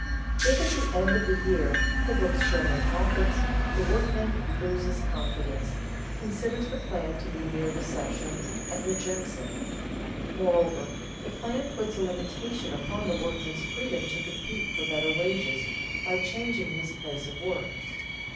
If at the end of the year the books show no profits, the workman loses confidence, considers the plan to be mere deception, and rejects it. Moreover, the plan puts a limitation upon the workman's freedom to compete for better wages by changing his place of work.